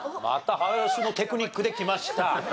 また早押しのテクニックできました。